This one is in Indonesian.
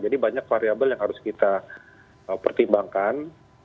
jadi banyak variabel yang harus kita pertimbangkan